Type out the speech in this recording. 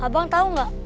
abang tau gak